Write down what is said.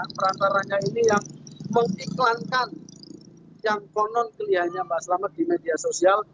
nah perantaranya ini yang mengiklankan yang konon kelihanya mbak selamet di media sosial